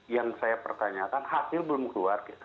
yang saya pertanyakan hasil belum keluar